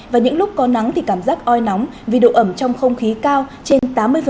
và những lúc có nắng thì cảm giác oi nóng vì độ ẩm trong không khí cao trên tám mươi